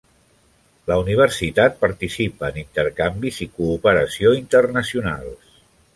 La universitat participa en intercanvis i cooperació internacionals.